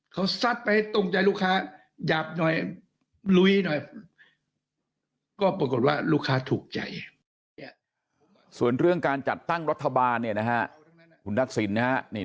เขาสัดไปตรงใจลูกค้าหยาบหน่อยลุยหน่อยก็ปรากฏว่าลูกค้าถูกใจ